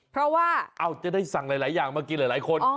เพราะว่าจะได้สั่งหลายอย่างมากินหลายคน